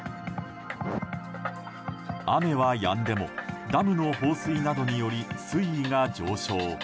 雨はやんでもダムの放水などにより水位が上昇。